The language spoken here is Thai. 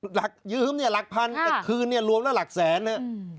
หลักยืมเนี่ยหลักพันแต่คืนเนี่ยรวมแล้วหลักแสนนะ